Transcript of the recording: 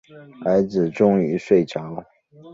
儿子终于睡着